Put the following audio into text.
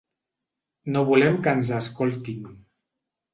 No volem que ens escoltin.